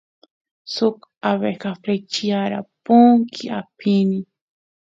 suk abeja flechyara punkiy apini